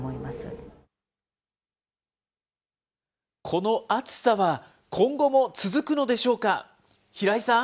この暑さは今後も続くのでしょうか。